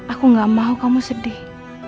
aku gak mau kamu sedih